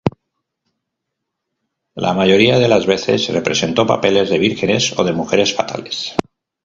La mayoría de las veces representó papeles de vírgenes o de mujeres fatales.